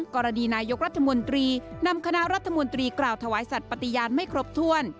กรณีนายกรัฐมนตรีนำคณะรัฐมนตรีกล่าวถวายสัตว์ปฏิญาณไม่ครบถ้วน